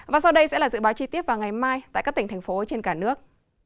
và sau đây sẽ là dự báo chi tiết vào ngày mai tại các tỉnh thành phố trên cả nước